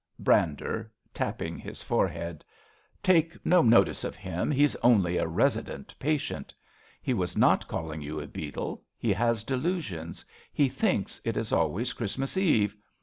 Brander {tapping his forehead). Take no notice of him. He's only a resident patient. He was not calling you a beetle. He has delusions. He thinks it is always Christmas Eve.